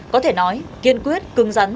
có thể nói kiên quyết cưng rắn